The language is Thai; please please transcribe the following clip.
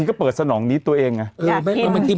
กับทั้งมานานมันเยอะครับเธอ